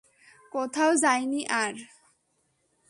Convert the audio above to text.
কোথাও যাইনি আর।